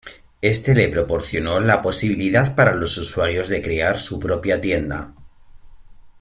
Este le proporcionó la posibilidad para los usuarios de crear su propia tienda.